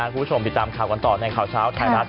คุณผู้ชมติดตามข่าวกันต่อในข่าวเช้าไทยรัฐ